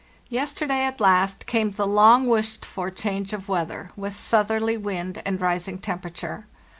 Yesterday, at last, came the long wished for change of weather, with southerly wind and rising temperature.